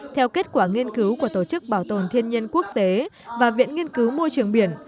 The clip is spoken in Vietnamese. theo kết quả nghiên cứu của tổ chức bảo tồn thiên nhiên quốc tế và viện nghiên cứu môi trường biển